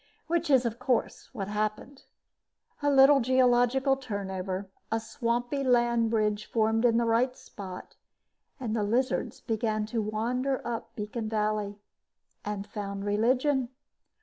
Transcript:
Which is, of course, what happened. A little geological turnover, a swampy land bridge formed in the right spot, and the lizards began to wander up beacon valley. And found religion.